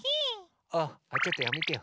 あちょっとやめてよ。